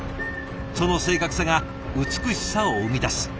その正確さが美しさを生み出す。